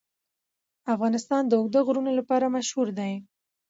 افغانستان د اوږده غرونه لپاره مشهور دی.